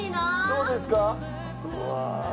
どうですか？